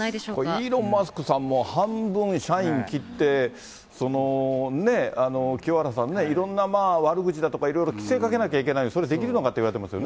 イーロン・マスクさんも、半分、社員切って、清原さんね、いろんな悪口だとか、いろいろ規制かけなきゃいけない、それできるのかっていわれてます